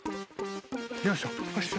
よいしょ。